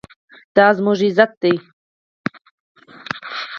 دا زموږ عزت دی